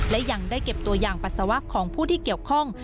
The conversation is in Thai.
และยังได้เก็บตัวอย่างปัสสาวะของผู้ที่เกี่ยวข้อง